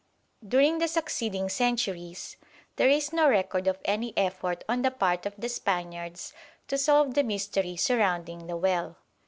During the succeeding centuries there is no record of any effort on the part of the Spaniards to solve the mystery surrounding the well.